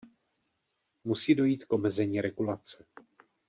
Musí dojít k omezení regulace.